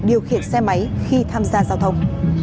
điều khiển xe máy khi tham gia giao thông